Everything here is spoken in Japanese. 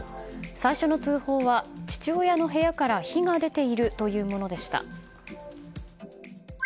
最初の通報は、父親の部屋から火が出ているというものでした。